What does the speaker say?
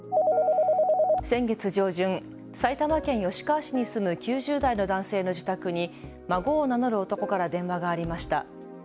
先月上旬、埼玉県吉川市に住む９０代の男性の自宅に孫を名乗る男から電話がありました。